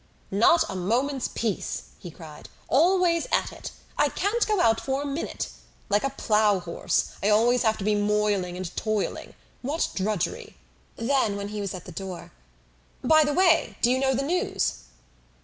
"Not a moment's peace!" he cried; "always at it! I can't go out for a minute! Like a plough horse, I have always to be moiling and toiling. What drudgery!" Then, when he was at the door, "By the way, do you know the news?"